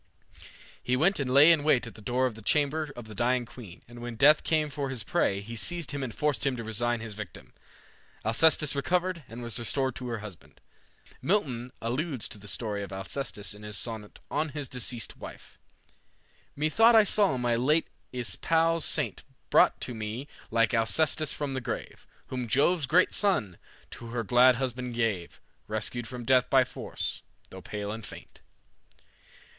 He went and lay in wait at the door of the chamber of the dying queen, and when Death came for his prey, he seized him and forced him to resign his victim. Alcestis recovered, and was restored to her husband. Milton alludes to the story of Alcestis in his Sonnet "on his deceased wife:" "Methought I saw my late espoused saint Brought to me like Alcestis from the grave, Whom Jove's great son to her glad husband gave, Rescued from death by force, though pale and faint."